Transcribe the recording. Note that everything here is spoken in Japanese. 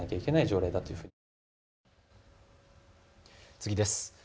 次です。